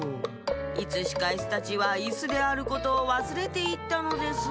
いつしかイスたちはイスであることをわすれていったのです。